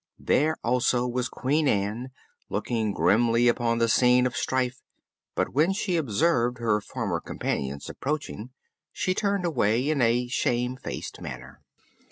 There also was Queen Ann, looking grimly upon the scene of strife; but when she observed her former companions approaching she turned away in a shamefaced manner.